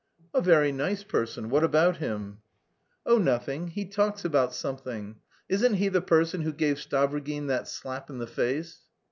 "A very nice person. What about him?" "Oh, nothing. He talks about something. Isn't he the person who gave Stavrogin that slap in the face?"